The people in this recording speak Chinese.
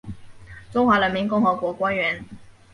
中华人民共和国官员。